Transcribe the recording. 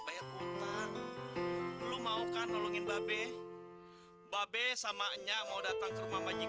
bayar mohon kan l foarte bahwa besoknya mau datang ke rumah banyak